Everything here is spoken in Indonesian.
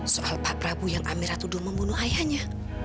soal pak prabu yang amira tuduh membunuh ayahnya